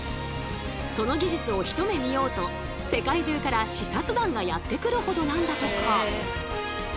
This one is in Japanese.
その技術を一目見ようと世界中から視察団がやって来るほどなんだとか。